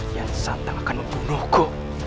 yang santan akan membunuhku